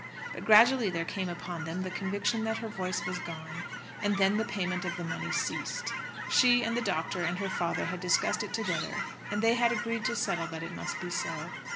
But gradually there came upon them the conviction that her voice was gone, and then the payment of the money ceased. She, and the doctor, and her father, had discussed it together, and they had agreed to settle that it must be so.